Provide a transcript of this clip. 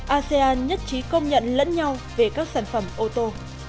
asean nhất trí công nhận lẫn nhau về các sản phẩm ô tô